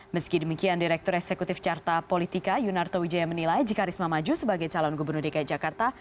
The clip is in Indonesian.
meski demikian direktur eksekutif carta politika yunarto wijaya menilai jika risma maju sebagai calon gubernur dki jakarta